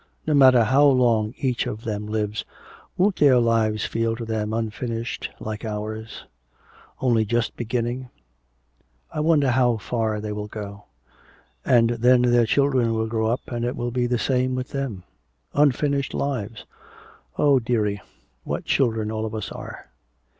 No matter how long each one of them lives, won't their lives feel to them unfinished like ours, only just beginning? I wonder how far they will go. And then their children will grow up and it will be the same with them. Unfinished lives. Oh, dearie, what children all of us are."